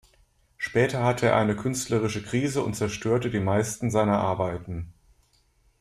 Später hatte er eine künstlerische Krise und zerstörte die meisten seiner Arbeiten.